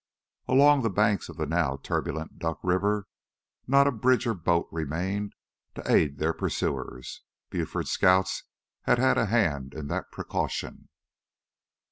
Along the banks of the now turbulent Duck River not a bridge or boat remained to aid their pursuers. Buford's Scouts had had a hand in that precaution.